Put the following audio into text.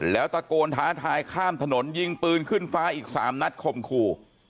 แล้วตะโกนท้าทายข้ามถนนยิงปืนขึ้นฟ้าอีก๓นัดข่มขู่